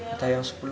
atau yang rp sepuluh